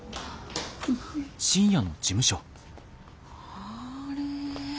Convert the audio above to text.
あれ。